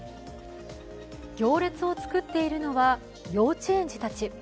行列を作っているのは幼稚園児たち。